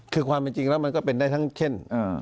คือความเป็นจริงแล้วมันก็เป็นได้ทั้งเช่น